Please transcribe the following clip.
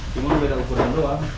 cuma beda ukuran doang